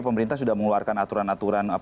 pemerintah sudah mengeluarkan aturan aturan